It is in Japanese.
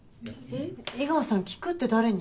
井川さん聞くって誰に？